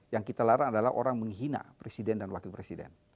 yang kita larang adalah orang menghina presiden dan wakil presiden